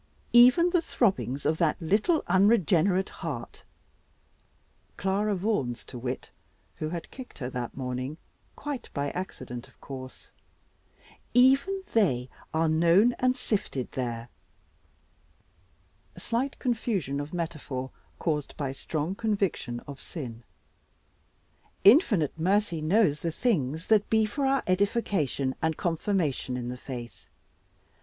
Even the throbbings of that little unregenerate heart" Clara Vaughan's to wit, who had kicked her that morning, quite by accident of course "even they are known and sifted there" slight confusion of metaphor caused by strong conviction of sin "Infinite mercy knows the things that be for our edification, and confirmation in the faith.